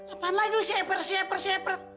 apaan lagi lo si eper si eper si eper